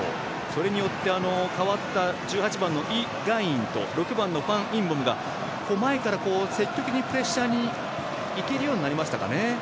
それによって、代わった１８番のイ・ガンインと６番のファン・インボムが前から積極的にプレッシャーにいけるようになりましたかね。